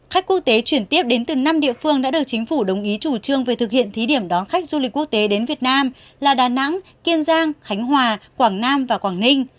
khách quốc tế chuyển tiếp đến từ năm địa phương đã được chính phủ đồng ý chủ trương về thực hiện thí điểm đón khách du lịch quốc tế đến việt nam là đà nẵng kiên giang khánh hòa quảng nam và quảng ninh